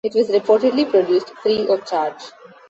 It was reportedly produced "free of charge".